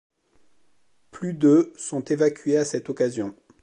Plus de sont évacuées à cette occasion.